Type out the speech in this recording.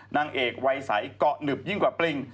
นางเอกวัยใสเกาะหนึบยิ่งกว่าปริง